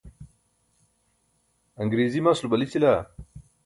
aṅriizi maslo balićila?